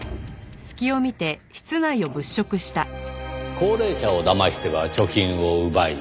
高齢者をだましては貯金を奪い。